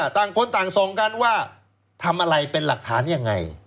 ต่างคนต่างส่งกันว่าทำอะไรเป็นหลักฐานยังไง